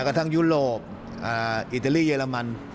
กระทั่งยุโรปอิตาลีเยอรมัน